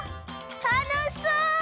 たのしそう！